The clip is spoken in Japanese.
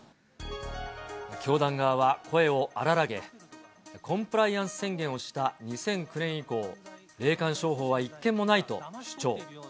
教団側は声を荒らげ、コンプライアンス宣言をした２００９年以降、霊感商法は１件もないと主張。